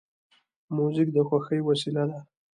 موزیک د خوښۍ وسیله ده.